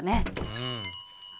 うん。